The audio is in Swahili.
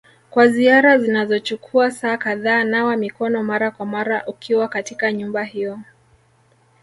kwa ziara zinazochukua saa kadhaa nawa mikono mara kwa mara ukiwa katika nyumba hiyo.